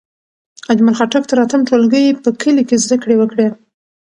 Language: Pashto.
اجمل خټک تر اتم ټولګی په کلي کې زدکړې وکړې.